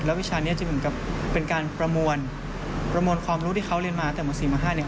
แล้ววิชานี้จะเป็นการประมวลประมวลความรู้ที่เขาเรียนมาตั้งแต่ม๔ม๕